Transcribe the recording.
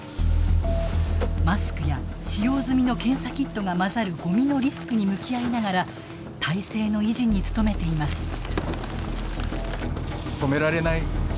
マスクや使用済みの検査キットが混ざるごみのリスクに向き合いながら体制の維持に務めています。